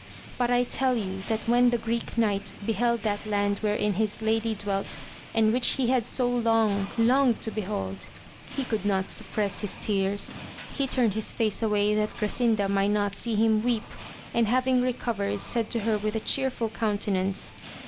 But I tell you that when the Greek Knight beheld that land wherein his lady dwelt, and which he had*so long longed to behold, he could not suppress his tears ; he turned his face away that Grasinda might not see him weep, and having recovered, said to her with a cheerful countenance.